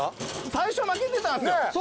最初負けてたんすよ。